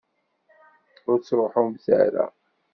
Ur ttṛuḥumt ara!